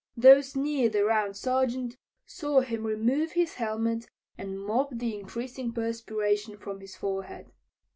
Those near the Round Sergeant saw him remove his helmet and mop the increasing perspiration from his forehead.